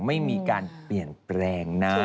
ไม่มีการเปลี่ยนแปลงนะ